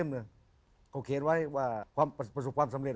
เขาเคยไว้ประสบความสำเร็จ